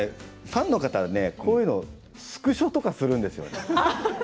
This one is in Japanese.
ファンの方はこういうのをスクショしたりするんですよね。